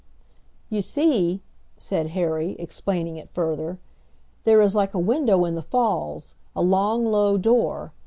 "You see," said Harry, explaining it further, "there is like a window in the falls, a long low door.